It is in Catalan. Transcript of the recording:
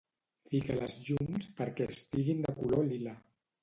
Fica les llums perquè estiguin de color lila.